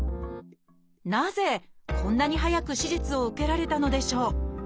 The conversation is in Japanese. なぜこんなに早く手術を受けられたのでしょう？